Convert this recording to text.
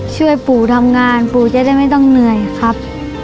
ช่วยปู่ทำงานปู่จะได้ไม่ต้องเหนื่อยครับ